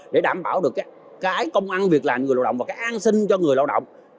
để đảm bảo được cái công ăn việc làm người lao động và cái an sinh cho người lao động